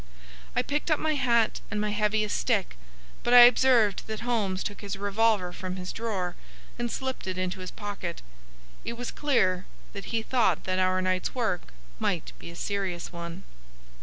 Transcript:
I picked up my hat and my heaviest stick, but I observed that Holmes took his revolver from his drawer and slipped it into his pocket. It was clear that he thought that our night's work might be a serious one.